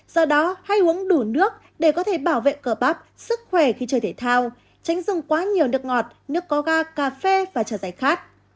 do đó hãy uống đủ nước để có thể bảo vệ cờ bắp sức khỏe khi chơi thể thao tránh dùng quá nhiều nước ngọt nước có ga cà phê và trà giày khác